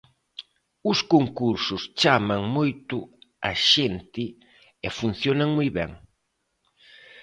Os concursos chaman moito a xente e funcionan moi ben.